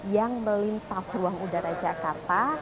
yang melintas ruang udara jakarta